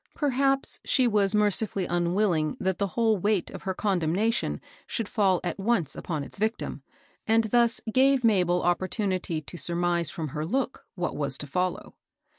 Perhaps she was mercifully unwilling that the whole weight of her condemnation should fidl at once upon its victim, and thus gave Mabel opportunity to surmise firom her look what was to follow.